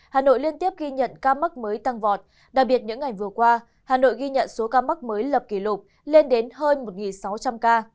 hà nội ghi nhận ca mắt mới tăng vọt đặc biệt những ngày vừa qua hà nội ghi nhận số ca mắt mới lập kỷ lục lên đến hơn một sáu trăm linh ca